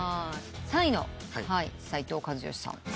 ３位の斉藤和義さん。